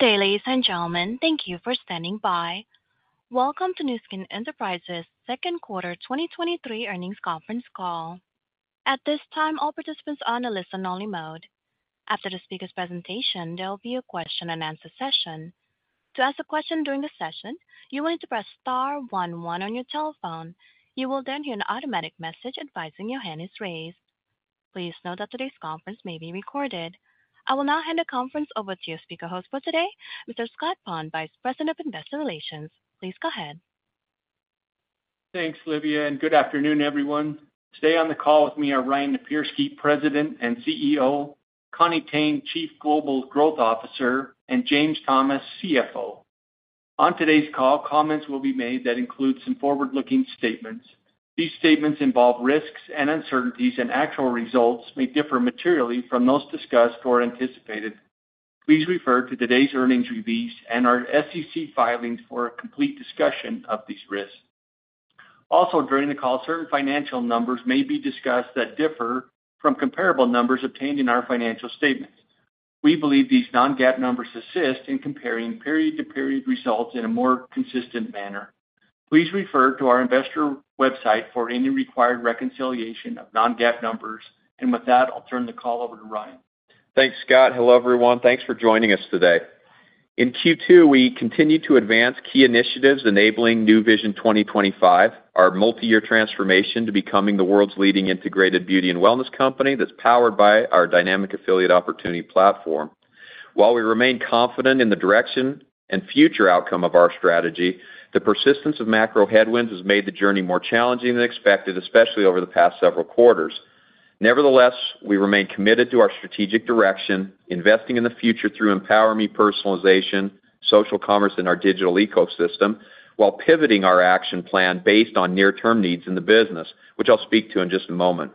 Good day, ladies and gentlemen. Thank you for standing by. Welcome to Nu Skin Enterprises' second quarter 2023 earnings conference call. At this time, all participants are on a listen-only mode. After the speaker's presentation, there will be a question-and-answer session. To ask a question during the session, you will need to press star one one on your telephone. You will then hear an automatic message advising your hand is raised. Please note that today's conference may be recorded. I will now hand the conference over to your speaker host for today, Mr. Scott Pond, Vice President of Investor Relations. Please go ahead. Thanks, Livia. Good afternoon, everyone. Today on the call with me are Ryan Napierski, President and CEO; Connie Tang, Chief Global Growth Officer; and James Thomas, CFO. On today's call, comments will be made that include some forward-looking statements. These statements involve risks and uncertainties. Actual results may differ materially from those discussed or anticipated. Please refer to today's earnings release and our SEC filings for a complete discussion of these risks. During the call, certain financial numbers may be discussed that differ from comparable numbers obtained in our financial statements. We believe these Non-GAAP numbers assist in comparing period-to-period results in a more consistent manner. Please refer to our investor website for any required reconciliation of Non-GAAP numbers. With that, I'll turn the call over to Ryan. Thanks, Scott. Hello, everyone. Thanks for joining us today. In Q2, we continued to advance key initiatives enabling Nu Vision 2025, our multi-year transformation to becoming the world's leading integrated beauty and wellness company that's powered by our dynamic affiliate opportunity platform. While we remain confident in the direction and future outcome of our strategy, the persistence of macro headwinds has made the journey more challenging than expected, especially over the past several quarters. Nevertheless, we remain committed to our strategic direction, investing in the future through EmpowerMe personalization, social commerce, and our digital ecosystem, while pivoting our action plan based on near-term needs in the business, which I'll speak to in just a moment.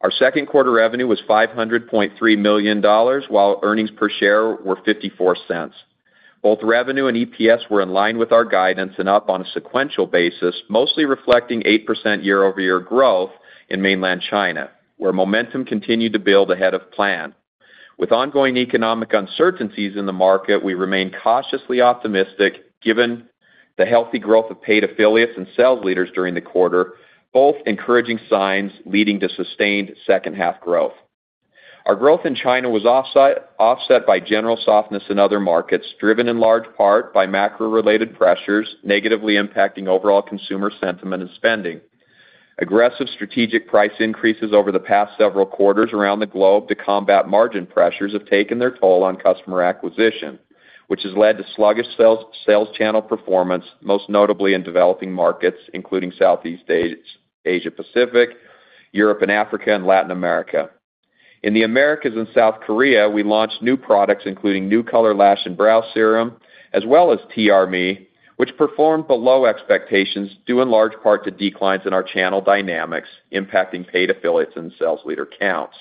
Our second quarter revenue was $500.3 million, while earnings per share were $0.54. Both revenue and EPS were in line with our guidance and up on a sequential basis, mostly reflecting 8% year-over-year growth in mainland China, where momentum continued to build ahead of plan. With ongoing economic uncertainties in the market, we remain cautiously optimistic, given the healthy growth of paid affiliates and sales leaders during the quarter, both encouraging signs leading to sustained second-half growth. Our growth in China was offset by general softness in other markets, driven in large part by macro-related pressures, negatively impacting overall consumer sentiment and spending. Aggressive strategic price increases over the past several quarters around the globe to combat margin pressures have taken their toll on customer acquisition, which has led to sluggish sales, sales channel performance, most notably in developing markets, including Southeast Asia Pacific, Europe and Africa, and Latin America. In the Americas and South Korea, we launched new products, including Nu Colour Lash + Brow Serum, as well as TRME, which performed below expectations, due in large part to declines in our channel dynamics, impacting paid affiliates and sales leader counts.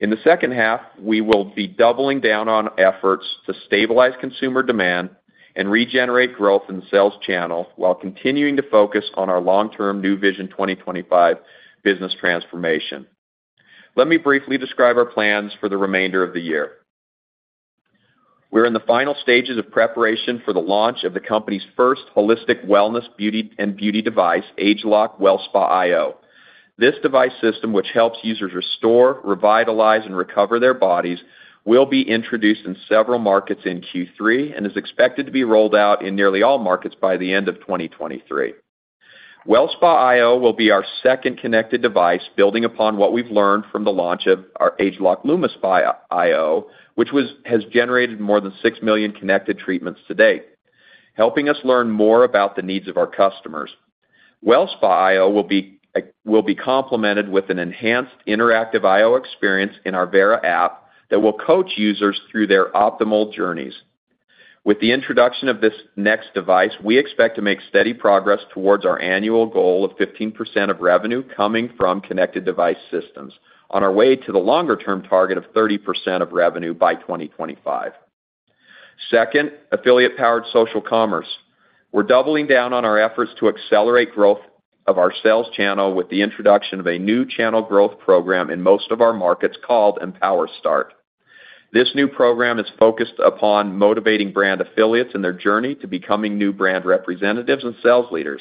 In the second half, we will be doubling down on efforts to stabilize consumer demand and regenerate growth in the sales channel while continuing to focus on our long-term Nu Vision 2025 business transformation. Let me briefly describe our plans for the remainder of the year. We're in the final stages of preparation for the launch of the company's first holistic wellness, beauty, and beauty device, ageLOC WellSpa iO. This device system, which helps users restore, revitalize, and recover their bodies, will be introduced in several markets in Q3 and is expected to be rolled out in nearly all markets by the end of 2023. WellSpa iO will be our second connected device, building upon what we've learned from the launch of our ageLOC LumiSpa iO, which has generated more than 6 million connected treatments to date, helping us learn more about the needs of our customers. WellSpa iO will be complemented with an enhanced interactive iO experience in our Vera app that will coach users through their optimal journeys. With the introduction of this next device, we expect to make steady progress towards our annual goal of 15% of revenue coming from connected device systems, on our way to the longer-term target of 30% of revenue by 2025. Second, affiliate-powered social commerce. We're doubling down on our efforts to accelerate growth of our sales channel with the introduction of a new channel growth program in most of our markets called EmpowerSTART. This new program is focused upon motivating brand affiliates in their journey to becoming new brand representatives and sales leaders.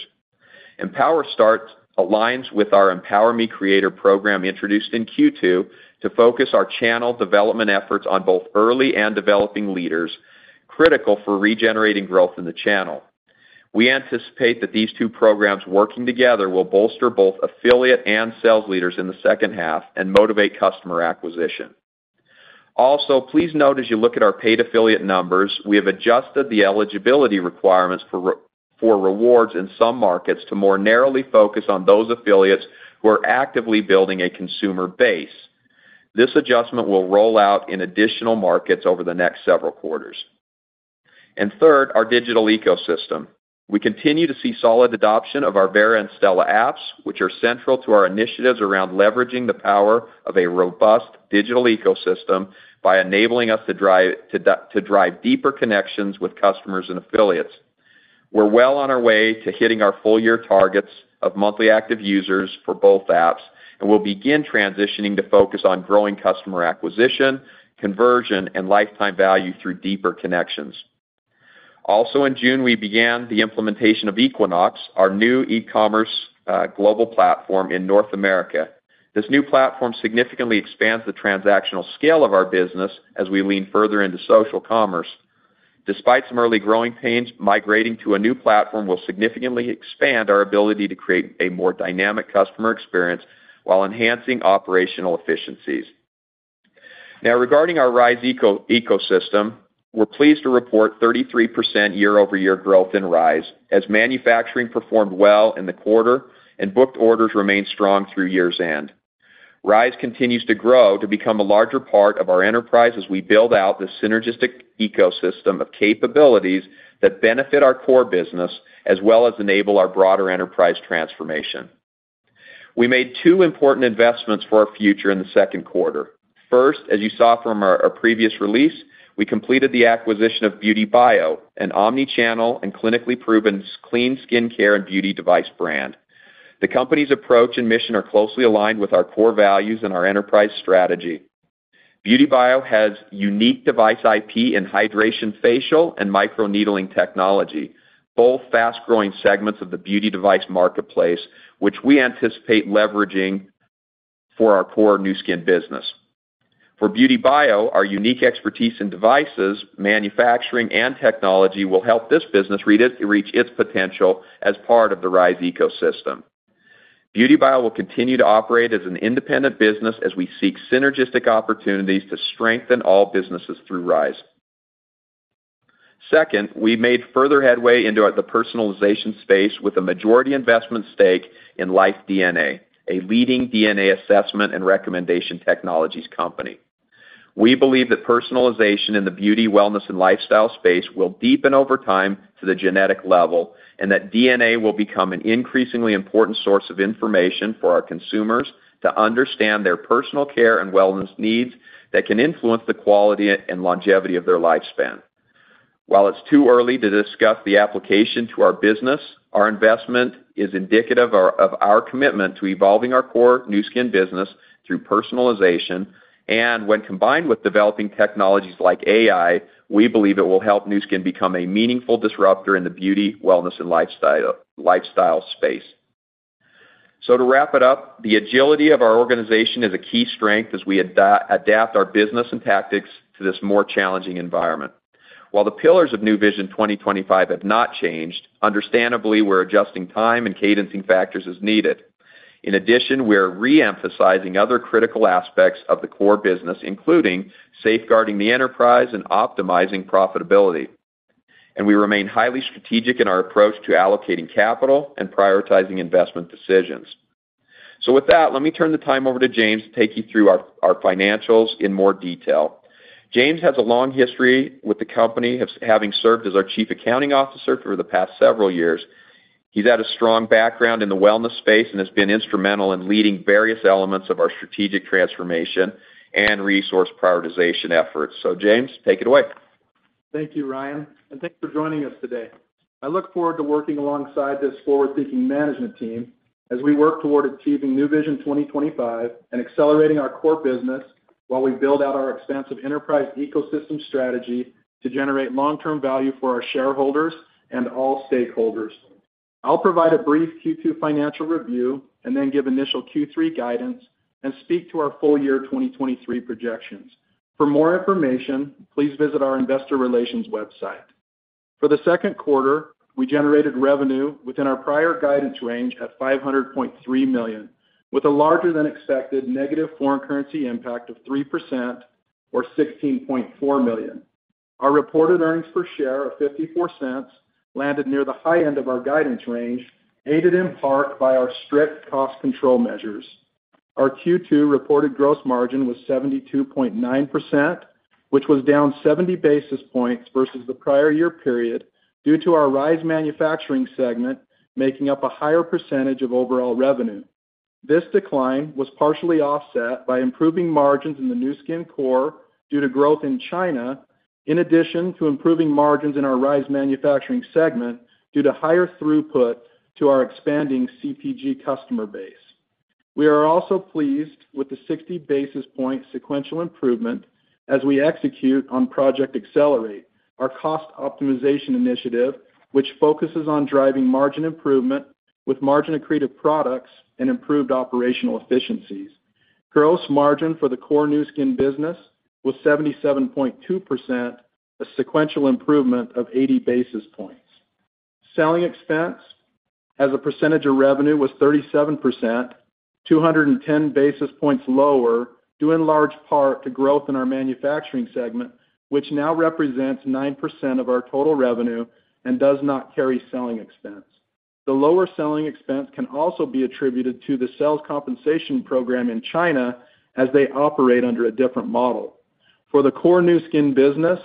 EmpowerSTART aligns with our EmpowerMe Creator program, introduced in Q2, to focus our channel development efforts on both early and developing leaders, critical for regenerating growth in the channel. We anticipate that these two programs working together will bolster both affiliate and sales leaders in the second half and motivate customer acquisition. Please note, as you look at our paid affiliate numbers, we have adjusted the eligibility requirements for rewards in some markets to more narrowly focus on those affiliates who are actively building a consumer base. This adjustment will roll out in additional markets over the next several quarters. Third, our digital ecosystem. We continue to see solid adoption of our Vera and Stela apps, which are central to our initiatives around leveraging the power of a robust digital ecosystem by enabling us to drive deeper connections with customers and affiliates. We're well on our way to hitting our full year targets of monthly active users for both apps, we'll begin transitioning to focus on growing customer acquisition, conversion, and lifetime value through deeper connections. Also, in June, we began the implementation of Equinox, our new e-commerce global platform in North America. This new platform significantly expands the transactional scale of our business as we lean further into social commerce. Despite some early growing pains, migrating to a new platform will significantly expand our ability to create a more dynamic customer experience while enhancing operational efficiencies. Regarding our Rhyz ecosystem, we're pleased to report 33% year-over-year growth in Rhyz, as manufacturing performed well in the quarter and booked orders remained strong through year's end. Rhyz continues to grow to become a larger part of our enterprise as we build out this synergistic ecosystem of capabilities that benefit our core business, as well as enable our broader enterprise transformation. We made two important investments for our future in the second quarter. First, as you saw from our previous release, we completed the acquisition of BeautyBio, an omni-channel and clinically proven clean skincare and beauty device brand. The company's approach and mission are closely aligned with our core values and our enterprise strategy. BeautyBio has unique device IP and hydration facial and microneedling technology, both fast-growing segments of the beauty device marketplace, which we anticipate leveraging for our core Nu Skin business. For BeautyBio, our unique expertise in devices, manufacturing, and technology will help this business reach its potential as part of the Rhyz ecosystem. BeautyBio will continue to operate as an independent business as we seek synergistic opportunities to strengthen all businesses through Rhyz. Second, we made further headway into the personalization space with a majority investment stake in LifeDNA, a leading DNA assessment and recommendation technologies company. We believe that personalization in the beauty, wellness, and lifestyle space will deepen over time to the genetic level, that DNA will become an increasingly important source of information for our consumers to understand their personal care and wellness needs that can influence the quality and longevity of their lifespan. While it's too early to discuss the application to our business, our investment is indicative of our commitment to evolving our core Nu Skin business through personalization, and when combined with developing technologies like AI, we believe it will help Nu Skin become a meaningful disruptor in the beauty, wellness, and lifestyle, lifestyle space. To wrap it up, the agility of our organization is a key strength as we adapt, adapt our business and tactics to this more challenging environment. While the pillars of Nu Vision 2025 have not changed, understandably, we're adjusting time and cadencing factors as needed. In addition, we are re-emphasizing other critical aspects of the core business, including safeguarding the enterprise and optimizing profitability. We remain highly strategic in our approach to allocating capital and prioritizing investment decisions. With that, let me turn the time over to James to take you through our, our financials in more detail. James has a long history with the company, having served as our Chief Accounting Officer for the past several years. He's had a strong background in the wellness space and has been instrumental in leading various elements of our strategic transformation and resource prioritization efforts. James, take it away. Thank you, Ryan. Thanks for joining us today. I look forward to working alongside this forward-thinking management team as we work toward achieving Nu Vision 2025 and accelerating our core business while we build out our expansive enterprise ecosystem strategy to generate long-term value for our shareholders and all stakeholders. I'll provide a brief Q2 financial review and then give initial Q3 guidance and speak to our full year 2023 projections. For more information, please visit our investor relations website. For the second quarter, we generated revenue within our prior guidance range at $500.3 million, with a larger than expected negative foreign currency impact of 3% or $16.4 million. Our reported earnings per share of $0.54 landed near the high end of our guidance range, aided in part by our strict cost control measures. Our Q2 reported gross margin was 72.9%, which was down 70 basis points versus the prior year period due to our Rhyz manufacturing segment, making up a higher percentage of overall revenue. This decline was partially offset by improving margins in the Nu Skin core due to growth in China, in addition to improving margins in our Rhyz manufacturing segment due to higher throughput to our expanding CPG customer base. We are also pleased with the 60 basis point sequential improvement as we execute on Project Accelerate, our cost optimization initiative, which focuses on driving margin improvement with margin-accretive products and improved operational efficiencies. Gross margin for the core Nu Skin business was 77.2%, a sequential improvement of 80 basis points. Selling expense as a percentage of revenue was 37%, 210 basis points lower, due in large part to growth in our manufacturing segment, which now represents 9% of our total revenue and does not carry selling expense. The lower selling expense can also be attributed to the sales compensation program in China as they operate under a different model. For the core Nu Skin business,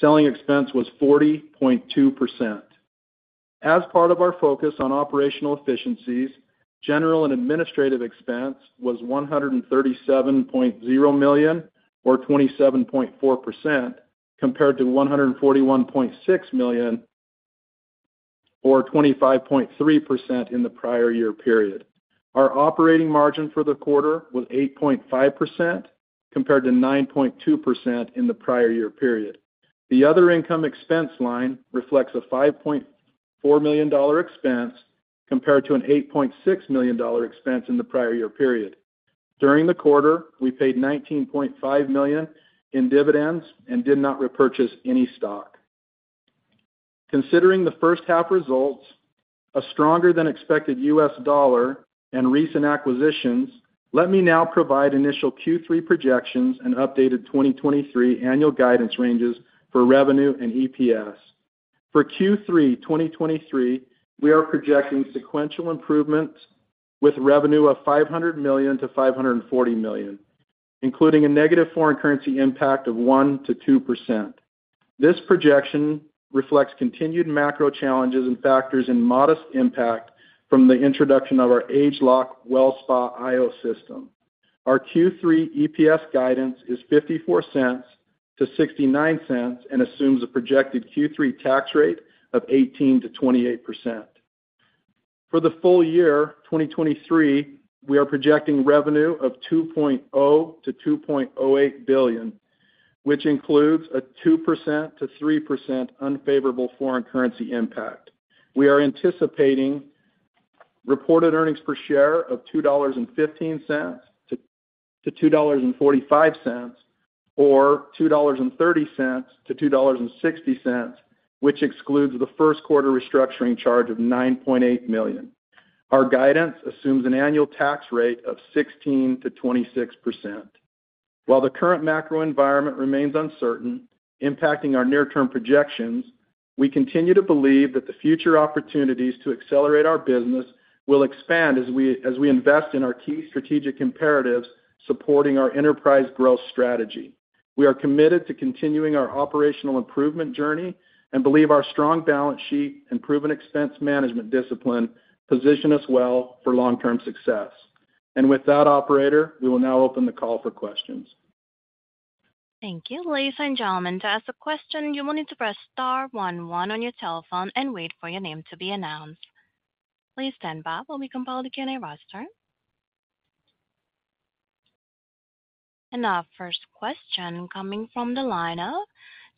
selling expense was 40.2%. As part of our focus on operational efficiencies. General and administrative expense was $137.0 million, or 27.4%, compared to $141.6 million, or 25.3% in the prior year period. Our operating margin for the quarter was 8.5%, compared to 9.2% in the prior year period. The other income expense line reflects a $5.4 million expense, compared to an $8.6 million expense in the prior year period. During the quarter, we paid $19.5 million in dividends and did not repurchase any stock. Considering the first half results, a stronger than expected US dollar and recent acquisitions, let me now provide initial Q3 projections and updated 2023 annual guidance ranges for revenue and EPS. For Q3 2023, we are projecting sequential improvements with revenue of $500 million-$540 million, including a negative foreign currency impact of 1%-2%. This projection reflects continued macro challenges and factors in modest impact from the introduction of our ageLOC WellSpa iO system. Our Q3 EPS guidance is $0.54-$0.69 and assumes a projected Q3 tax rate of 18%-28%. For the full year 2023, we are projecting revenue of $2.0 billion-$2.08 billion, which includes a 2%-3% unfavorable foreign currency impact. We are anticipating reported earnings per share of $2.15-$2.45, or $2.30-$2.60, which excludes the first quarter restructuring charge of $9.8 million. Our guidance assumes an annual tax rate of 16%-26%. While the current macro environment remains uncertain, impacting our near-term projections, we continue to believe that the future opportunities to accelerate our business will expand as we invest in our key strategic imperatives supporting our enterprise growth strategy. We are committed to continuing our operational improvement journey and believe our strong balance sheet and proven expense management discipline position us well for long-term success. With that, operator, we will now open the call for questions. Thank you. Ladies and gentlemen, to ask a question, you will need to press star one, one on your telephone and wait for your name to be announced. Please stand by while we compile the Q&A roster. Our first question coming from the line of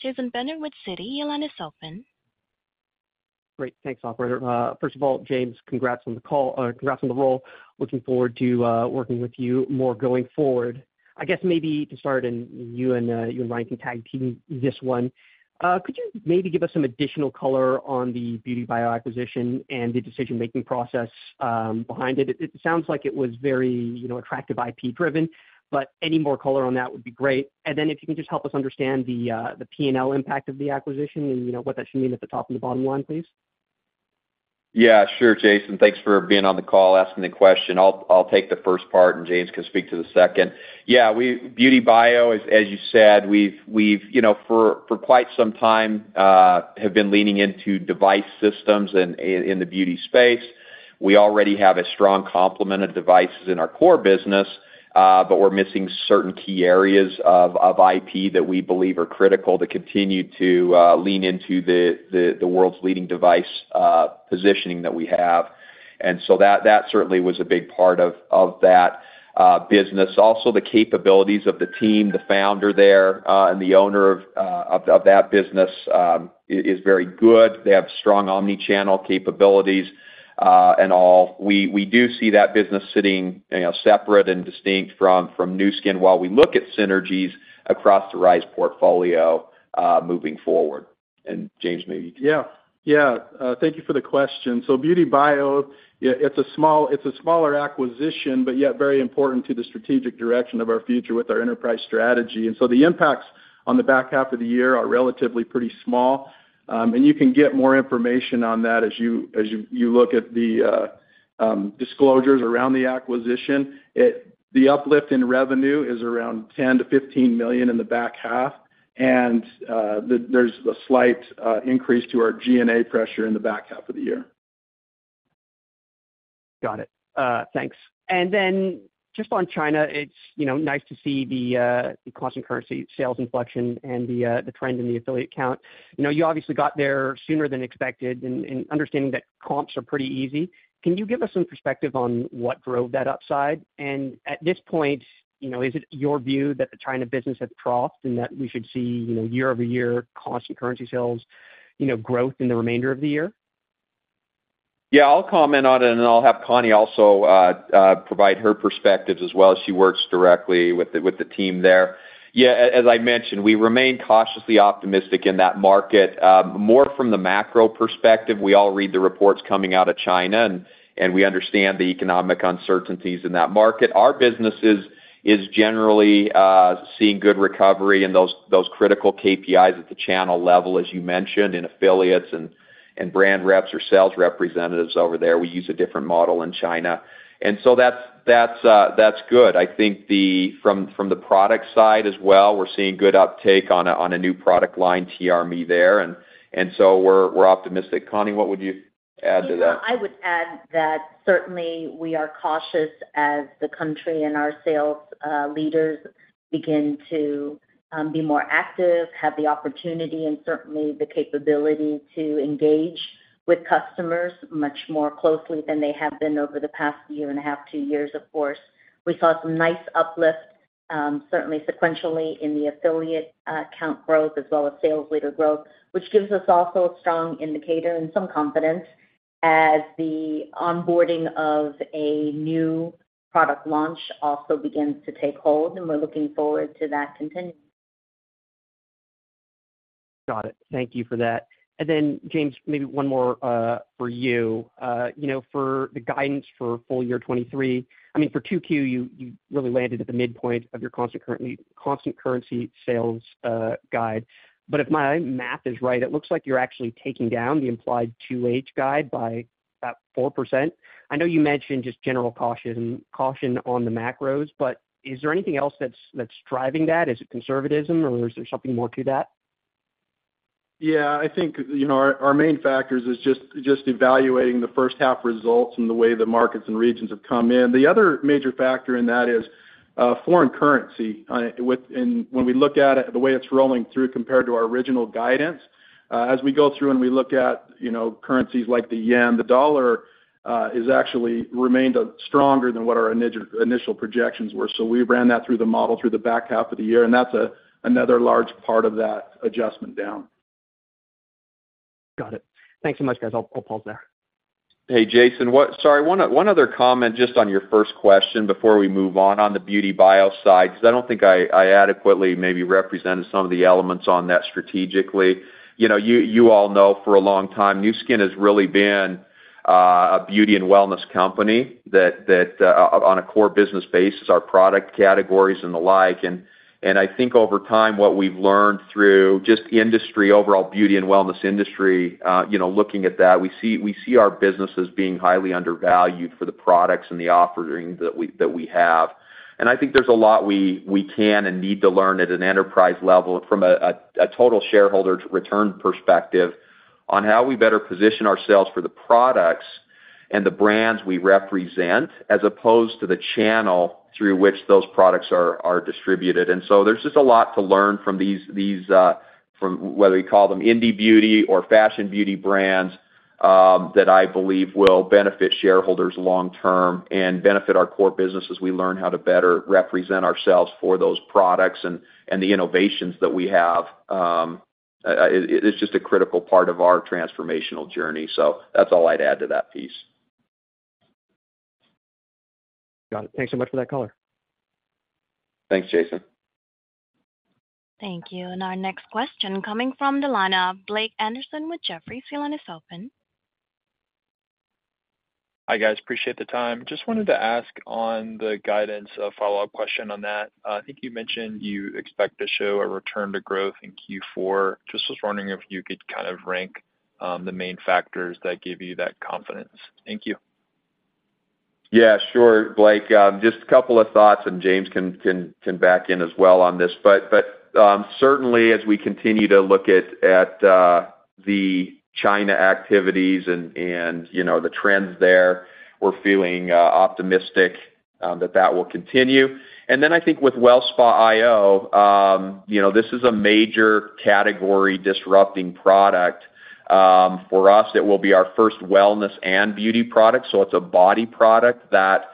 Jason Bennett with Citi. Your line is open. Great, thanks, operator. First of all, James, congrats on the call, congrats on the role. Looking forward to working with you more going forward. I guess maybe to start, you and you and Ryan can tag team this one. Could you maybe give us some additional color on the BeautyBio acquisition and the decision-making process behind it? It, it sounds like it was very, you know, attractive, IP driven, but any more color on that would be great. Then if you can just help us understand the P&L impact of the acquisition and, you know, what that should mean at the top and the bottom line, please. Yeah, sure, Jason, thanks for being on the call, asking the question. I'll, I'll take the first part, and James can speak to the second. Yeah, BeautyBio, as, as you said, we've, we've, you know, for, for quite some time, have been leaning into device systems in, in the beauty space. We already have a strong complement of devices in our core business, but we're missing certain key areas of IP that we believe are critical to continue to lean into the, the, the world's leading device positioning that we have. That, that certainly was a big part of, of that business. Also, the capabilities of the team, the founder there, and the owner of, of that business, is, is very good. They have strong omni-channel capabilities, and all. We, we do see that business sitting, you know, separate and distinct from, from Nu Skin, while we look at synergies across the Rhyz portfolio, moving forward. James, maybe- Yeah. Yeah, thank you for the question. BeautyBio, it's a small... It's a smaller acquisition, but yet very important to the strategic direction of our future with our enterprise strategy. The impacts on the back half of the year are relatively pretty small, and you can get more information on that as you, as you, you look at the disclosures around the acquisition. The uplift in revenue is around $10 million-$15 million in the back half, and there's a slight increase to our G&A pressure in the back half of the year. Got it. Thanks. Then just on China, it's, you know, nice to see the, the constant currency sales inflection and the, the trend in the affiliate count. You know, you obviously got there sooner than expected, and, and understanding that comps are pretty easy, can you give us some perspective on what drove that upside? At this point, you know, is it your view that the China business has crossed and that we should see, you know, year-over-year constant currency sales, you know, growth in the remainder of the year? Yeah, I'll comment on it, and then I'll have Connie also provide her perspectives as well. She works directly with the, with the team there. Yeah, as I mentioned, we remain cautiously optimistic in that market, more from the macro perspective. We all read the reports coming out of China, and we understand the economic uncertainties in that market. Our business is, is generally seeing good recovery in those, those critical KPIs at the channel level, as you mentioned, in affiliates and, and brand reps or sales representatives over there. We use a different model in China, so that's, that's good. I think the-- from, from the product side as well, we're seeing good uptake on a, on a new product line, TRME there, and so we're, we're optimistic. Connie, what would you? I would add that certainly we are cautious as the country and our sales leaders begin to be more active, have the opportunity and certainly the capability to engage with customers much more closely than they have been over the past year and a half, two years, of course. We saw some nice uplift, certainly sequentially in the affiliate count growth as well as sales leader growth, which gives us also a strong indicator and some confidence as the onboarding of a new product launch also begins to take hold, and we're looking forward to that continuing. Got it. Thank you for that. Then, James, maybe one more for you. You know, for the guidance for full year 2023, I mean, for 2Q, you, you really landed at the midpoint of your constant constant currency sales guide. If my math is right, it looks like you're actually taking down the implied 2H guide by about 4%. I know you mentioned just general caution, caution on the macros, but is there anything else that's, that's driving that? Is it conservatism, or is there something more to that? Yeah, I think, you know, our, our main factors is just, just evaluating the first half results and the way the markets and regions have come in. The other major factor in that is foreign currency with and when we look at it, the way it's rolling through compared to our original guidance, as we go through and we look at, you know, currencies like the yen, the dollar, is actually remained stronger than what our initial projections were. We ran that through the model, through the back half of the year, and that's another large part of that adjustment down. Got it. Thanks so much, guys. I'll, I'll pause there. Hey, Jason, what-- sorry, one, one other comment just on your first question before we move on, on the BeautyBio side, because I don't think I, I adequately maybe represented some of the elements on that strategically. You know, you, you all know for a long time, Nu Skin has really been a beauty and wellness company that, that, on a core business basis, our product categories and the like. I think over time, what we've learned through just the industry, overall beauty and wellness industry, you know, looking at that, we see, we see our businesses being highly undervalued for the products and the offerings that we, that we have. I think there's a lot we, we can and need to learn at an enterprise level from a total shareholder return perspective on how we better position ourselves for the products and the brands we represent, as opposed to the channel through which those products are distributed. There's just a lot to learn from these from whether you call them indie beauty or fashion beauty brands that I believe will benefit shareholders long term and benefit our core business as we learn how to better represent ourselves for those products and the innovations that we have. It's just a critical part of our transformational journey. That's all I'd add to that piece. Got it. Thanks so much for that color. Thanks, Jason. Thank you. Our next question coming from the line of Blake Anderson with Jefferies. Your line is open. Hi, guys, appreciate the time. Just wanted to ask on the guidance, a follow-up question on that. I think you mentioned you expect to show a return to growth in Q4. Just was wondering if you could kind of rank the main factors that give you that confidence? Thank you. Yeah, sure, Blake. Just a couple of thoughts, and James can, can, can back in as well on this. Certainly as we continue to look at, at the China activities and, and, you know, the trends there, we're feeling optimistic that that will continue. I think with WellSpa iO, you know, this is a major category-disrupting product. For us, it will be our first wellness and beauty product, so it's a body product that,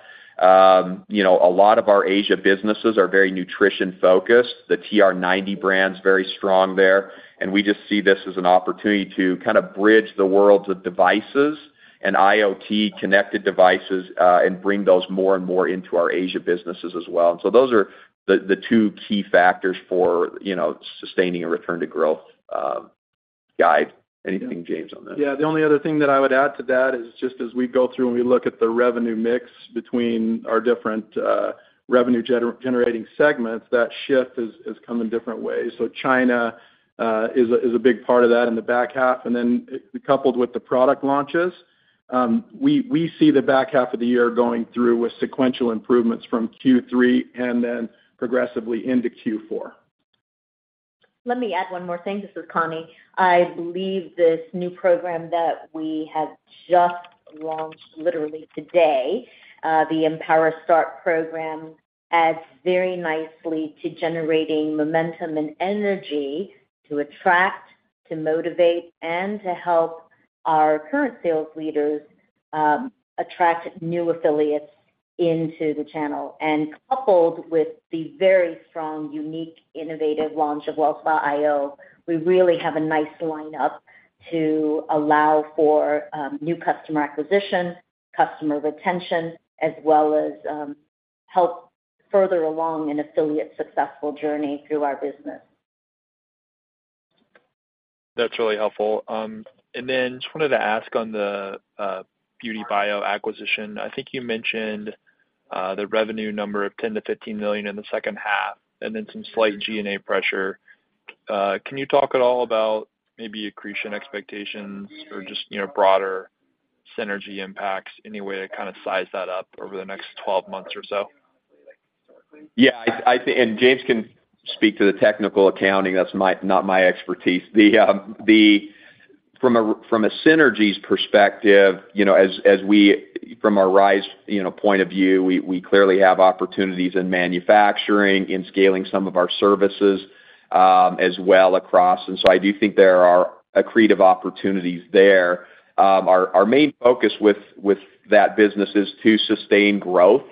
you know, a lot of our Asia businesses are very nutrition-focused. The TR90 brand's very strong there, and we just see this as an opportunity to kind of bridge the worlds of devices and IoT connected devices, and bring those more and more into our Asia businesses as well. So those are the two key factors for, you know, sustaining a return to growth, guide. Anything, James, on that? The only other thing that I would add to that is just as we go through and we look at the revenue mix between our different revenue generating segments, that shift has, has come in different ways. China is a, is a big part of that in the back half, and then coupled with the product launches, we, we see the back half of the year going through with sequential improvements from Q3 and then progressively into Q4. Let me add one more thing. This is Connie. I believe this new program that we have just launched literally today, the EmpowerSTART program, adds very nicely to generating momentum and energy to attract, to motivate, and to help our current sales leaders attract new affiliates into the channel. Coupled with the very strong, unique, innovative launch of WellSpa iO, we really have a nice lineup to allow for new customer acquisition, customer retention, as well as help further along an affiliate's successful journey through our business. That's really helpful. Then just wanted to ask on the BeautyBio acquisition. I think you mentioned the revenue number of $10 million-$15 million in the second half, and then some slight G&A pressure. Can you talk at all about maybe accretion expectations or just, you know, broader synergy impacts, any way to kind of size that up over the next 12 months or so?... Yeah, I, I think, and James can speak to the technical accounting, that's my-- not my expertise. The, from a, from a synergies perspective, you know, as, as we, from a Rhyz, you know, point of view, we, we clearly have opportunities in manufacturing, in scaling some of our services as well across. So I do think there are accretive opportunities there. Our, our main focus with, with that business is to sustain growth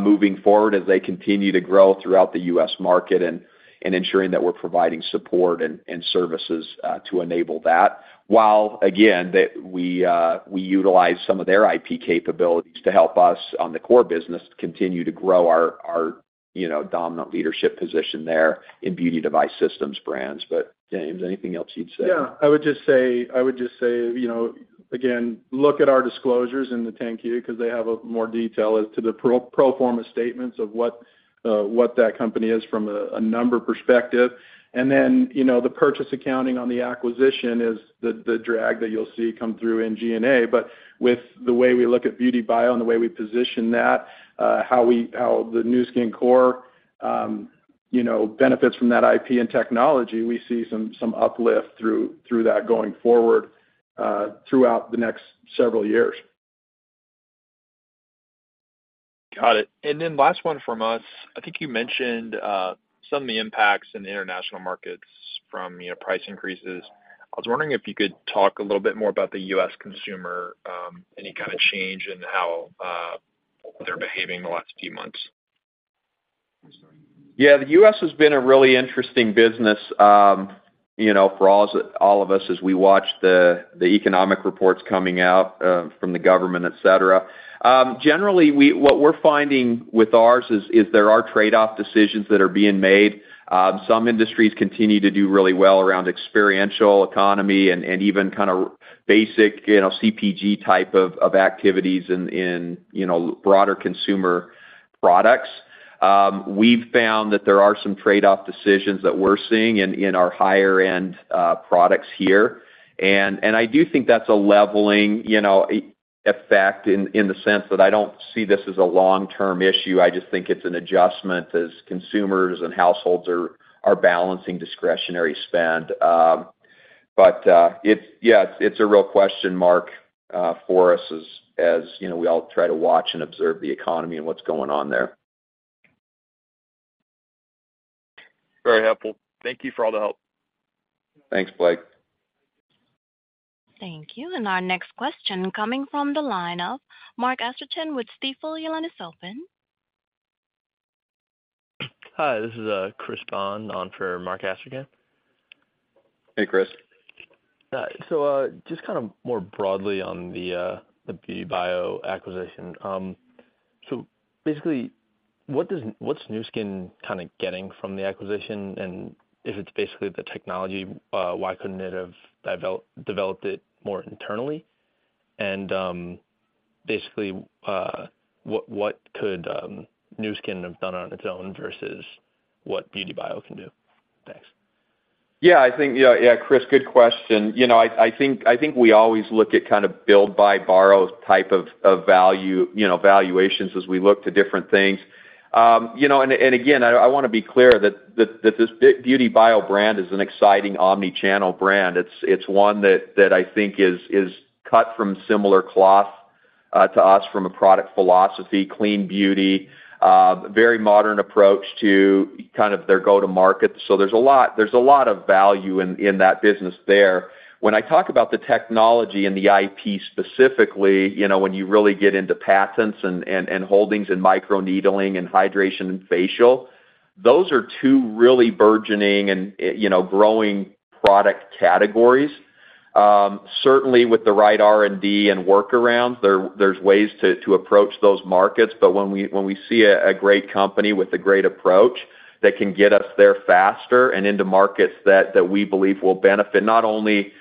moving forward as they continue to grow throughout the U.S. market, and, and ensuring that we're providing support and, and services to enable that, while, again, that we utilize some of their IP capabilities to help us on the core business to continue to grow our, our, you know, dominant leadership position there in beauty device systems brands. James, anything else you'd say? Yeah, I would just say, I would just say, you know, again, look at our disclosures in the 10-Q, because they have a more detail as to the pro- pro forma statements of what, what that company is from a, a number perspective. Then, you know, the purchase accounting on the acquisition is the, the drag that you'll see come through in G&A. With the way we look at BeautyBio and the way we position that, how we -- how the Nu Skin core, you know, benefits from that IP and technology, we see some, some uplift through, through that going forward, throughout the next several years. Got it. Then last one from us. I think you mentioned some of the impacts in the international markets from, you know, price increases. I was wondering if you could talk a little bit more about the U.S. consumer, any kind of change in how they're behaving in the last few months? Yeah, the U.S. has been a really interesting business, you know, for all, all of us as we watch the, the economic reports coming out from the government, et cetera. Generally, what we're finding with ours is, is there are trade-off decisions that are being made. Some industries continue to do really well around experiential economy and, and even kind of basic, you know, CPG type of, of activities in, in, you know, broader consumer products. We've found that there are some trade-off decisions that we're seeing in, in our higher end products here. I do think that's a leveling, you know, effect in, in the sense that I don't see this as a long-term issue. I just think it's an adjustment as consumers and households are, are balancing discretionary spend. It's, yeah, it's a real question mark, for us as, as, you know, we all try to watch and observe the economy and what's going on there. Very helpful. Thank you for all the help. Thanks, Blake. Thank you. Our next question coming from the line of Mark Astrachan with Stifel. Your line is open. Hi, this is Chris Bond on for Mark Astrachan. Hey, Chris. Just kind of more broadly on the BeautyBio acquisition. Basically, what's Nu Skin kind of getting from the acquisition? If it's basically the technology, why couldn't it have developed it more internally? Basically, what, what could Nu Skin have done on its own versus what BeautyBio can do? Thanks. Yeah, Chris, good question. You know, I think we always look at kind of build, buy, borrow type of value, you know, valuations as we look to different things. You know, and again, I wanna be clear that this BeautyBio brand is an exciting omni-channel brand. It's one that I think is cut from similar cloth to us from a product philosophy, clean beauty, very modern approach to kind of their go-to-market. There's a lot of value in that business there. When I talk about the technology and the IP specifically, you know, when you really get into patents and holdings in microneedling and hydration and facial, those are two really burgeoning and, you know, growing product categories. Certainly with the right R&D and workarounds, there, there's ways to, to approach those markets. When we, when we see a, a great company with a great approach that can get us there faster and into markets that, that we believe will benefit not only,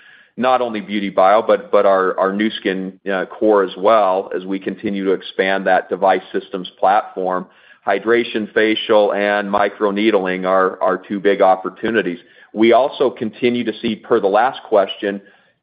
not only BeautyBio, but, but our, our Nu Skin core as well, as we continue to expand that device systems platform, hydration facial and microneedling are, are two big opportunities. We also continue to see, per the last question,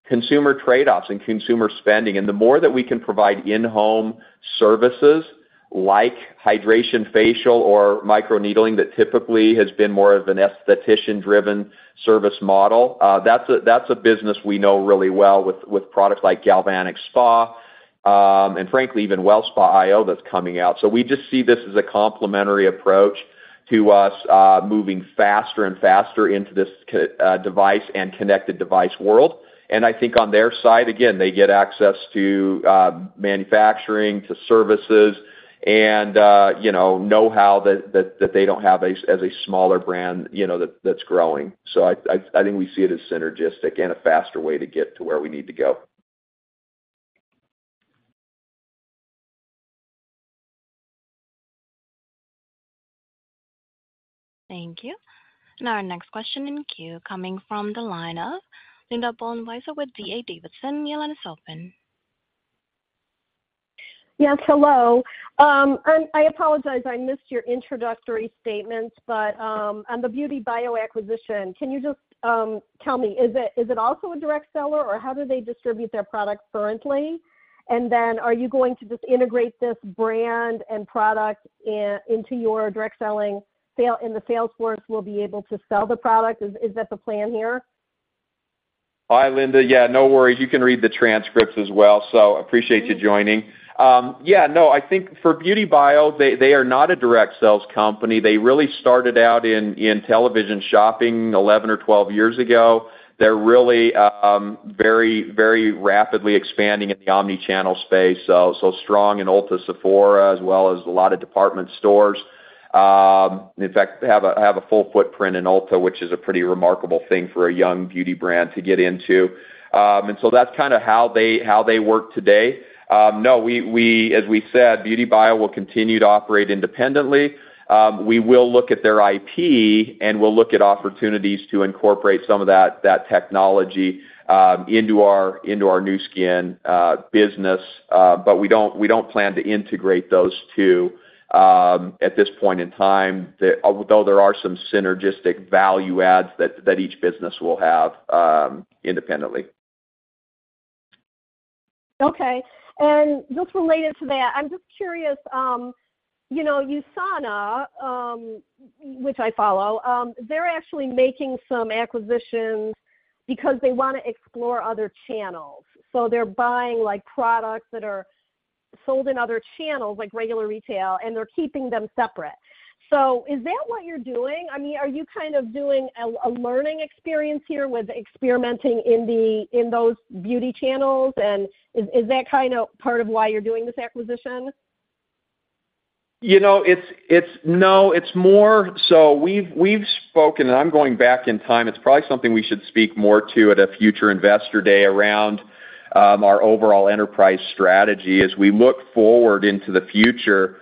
consumer trade-offs and consumer spending. The more that we can provide in-home services like hydration facial or microneedling, that typically has been more of an esthetician-driven service model, that's a, that's a business we know really well with, with products like Galvanic Spa, and frankly, even WellSpa IO that's coming out. We just see this as a complementary approach to us, moving faster and faster into this device and connected device world. I think on their side, again, they get access to manufacturing, to services and, you know, know-how that they don't have as a smaller brand, you know, that's growing. I think we see it as synergistic and a faster way to get to where we need to go. Thank you. Our next question in queue coming from the line of Linda Bolton-Weiser with D.A. Davidson. Your line is open. Yes, hello. I apologize, I missed your introductory statements, on the BeautyBio acquisition, can you just tell me, is it, is it also a direct seller, or how do they distribute their products currently? Are you going to just integrate this brand and product into your direct selling sale, and the sales force will be able to sell the product? Is, is that the plan here? Hi, Linda. Yeah, no worries, you can read the transcripts as well, so appreciate you joining. Yeah, no, I think for BeautyBio, they, they are not a direct sales company. They really started out in, in television shopping 11 years or 12 years ago. They're really, very, very rapidly expanding in the omni-channel space, so, so strong in Ulta, Sephora, as well as a lot of department stores. In fact, they have a, have a full footprint in Ulta, which is a pretty remarkable thing for a young beauty brand to get into. So that's kind of how they, how they work today. No, as we said, BeautyBio will continue to operate independently. We will look at their IP, and we'll look at opportunities to incorporate some of that, that technology, into our Nu Skin business. We don't, we don't plan to integrate those two, at this point in time, although there are some synergistic value adds that, that each business will have, independently. Just related to that, I'm just curious, you know, USANA, which I follow, they're actually making some acquisitions because they wanna explore other channels. They're buying, like, products that are sold in other channels, like regular retail, and they're keeping them separate. Is that what you're doing? I mean, are you kind of doing a, a learning experience here with experimenting in those beauty channels? Is, is that kind of part of why you're doing this acquisition? You know, it's. No, it's more. We've spoken, and I'm going back in time. It's probably something we should speak more to at a future Investor Day around our overall enterprise strategy. As we look forward into the future,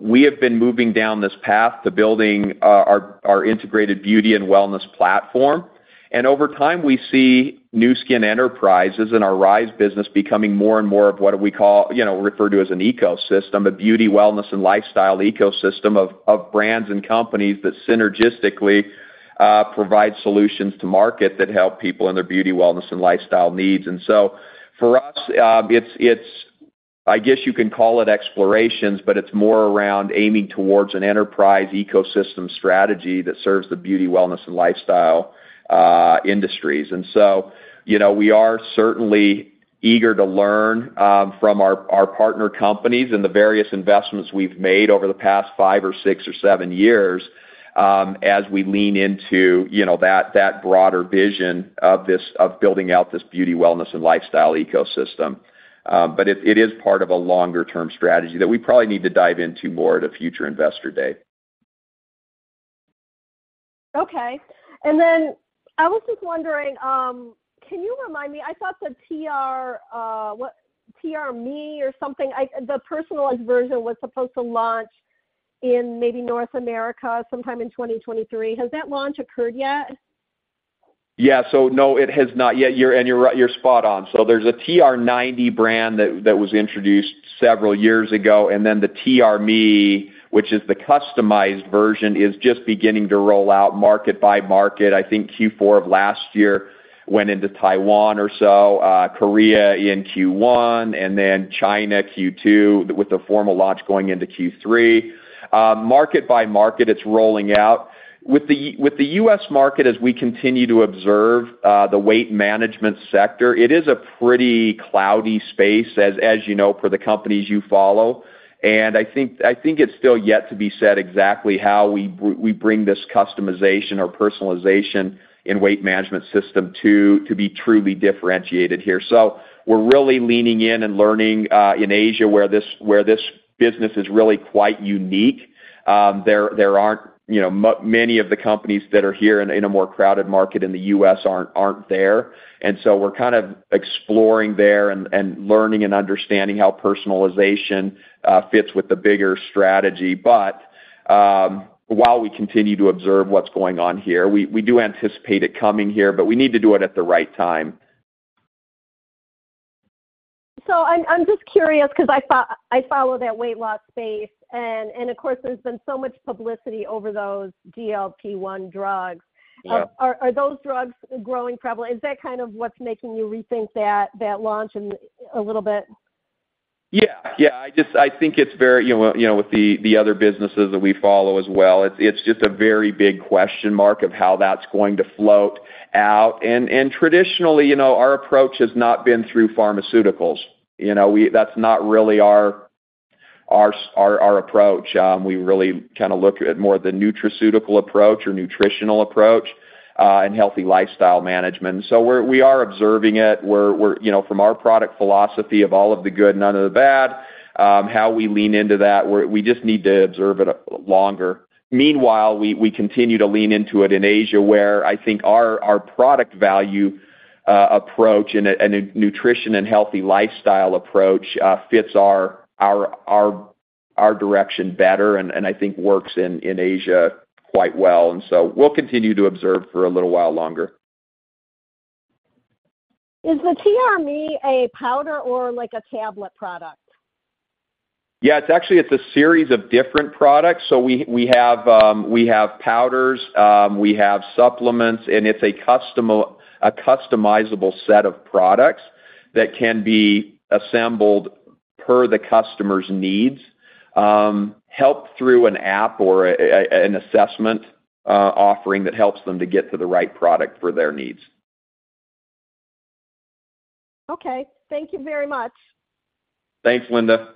we have been moving down this path to building our integrated beauty and wellness platform. Over time, we see Nu Skin Enterprises and our Rhyz business becoming more and more of what we call, you know, refer to as an ecosystem, a beauty, wellness, and lifestyle ecosystem of brands and companies that synergistically provide solutions to market that help people in their beauty, wellness, and lifestyle needs. For us, it's, I guess you can call it explorations, but it's more around aiming towards an enterprise ecosystem strategy that serves the beauty, wellness, and lifestyle industries. You know, we are certainly eager to learn from our, our partner companies and the various investments we've made over the past five or six or seven years, as we lean into, you know, that, that broader vision of this, of building out this beauty, wellness, and lifestyle ecosystem. It, it is part of a longer-term strategy that we probably need to dive into more at a future Investor Day. Okay. Then I was just wondering, can you remind me, I thought the TR, what, TRME or something, the personalized version was supposed to launch in maybe North America sometime in 2023. Has that launch occurred yet? Yeah. No, it has not yet. You're, you're right, you're spot on. There's a TR90 brand that, that was introduced several years ago, and then the TRME, which is the customized version, is just beginning to roll out market by market. I think Q4 of last year went into Taiwan or so, Korea in Q1, and then China, Q2, with the formal launch going into Q3. Market by market, it's rolling out. With the U.S. market, as we continue to observe, the weight management sector, it is a pretty cloudy space, as, as you know, for the companies you follow. I think, I think it's still yet to be said exactly how we bring this customization or personalization in weight management system to, to be truly differentiated here. We're really leaning in and learning in Asia, where this, where this business is really quite unique. There, there aren't, you know, many of the companies that are here in a more crowded market in the U.S. aren't, aren't there, and so we're kind of exploring there and, and learning and understanding how personalization fits with the bigger strategy. While we continue to observe what's going on here, we, we do anticipate it coming here, but we need to do it at the right time. I'm just curious because I follow that weight loss space and of course, there's been so much publicity over those GLP-1 drugs. Yeah. Are those drugs growing prevalent? Is that kind of what's making you rethink that, that launch in a little bit? Yeah. Yeah, I just... I think it's very, you know, you know, with the, the other businesses that we follow as well, it's, it's just a very big question mark of how that's going to float out. Traditionally, you know, our approach has not been through pharmaceuticals. You know, that's not really our, our approach. We really kind of look at more the nutraceutical approach or nutritional approach, and healthy lifestyle management. We are observing it. We're... You know, from our product philosophy of all of the good, none of the bad, how we lean into that, we just need to observe it longer. Meanwhile, we continue to lean into it in Asia, where I think our product value approach and a nutrition and healthy lifestyle approach fits our direction better and I think works in Asia quite well. So we'll continue to observe for a little while longer. Is the TRME a powder or like a tablet product? Yeah, it's actually, it's a series of different products. We, we have powders, we have supplements, and it's a customizable set of products that can be assembled per the customer's needs, helped through an app or an assessment offering that helps them to get to the right product for their needs. Okay. Thank you very much. Thanks, Linda.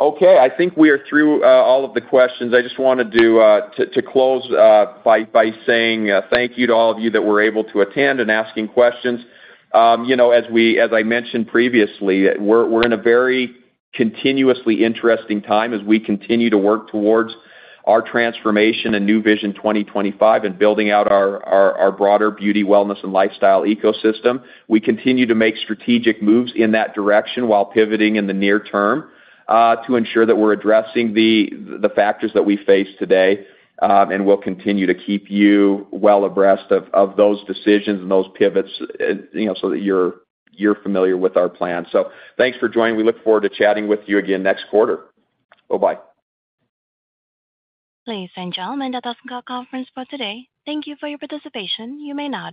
Okay, I think we are through, all of the questions. I just wanted to, to, to close, by, by saying, thank you to all of you that were able to attend and asking questions. You know, as we as I mentioned previously, we're, we're in a very continuously interesting time as we continue to work towards our transformation and Nu Vision 2025, and building out our, our, our broader beauty, wellness, and lifestyle ecosystem. We continue to make strategic moves in that direction while pivoting in the near term, to ensure that we're addressing the, the factors that we face today. We'll continue to keep you well abreast of, of those decisions and those pivots, you know, so that you're, you're familiar with our plan. Thanks for joining. We look forward to chatting with you again next quarter. Bye-bye. Ladies and gentlemen, that does end the conference for today. Thank you for your participation. You may now disconnect.